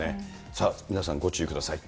さあ、皆さん、ご注意ください。